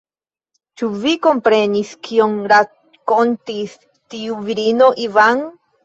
Ĉu vi komprenis, kion rakontis tiu virino, Ivan?